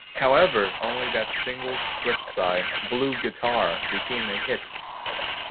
However, only that single's flip side, "Blue Guitar", became a hit.